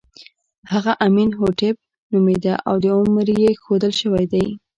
هغه امین هوټېپ نومېده او عمر یې ښودل شوی دی.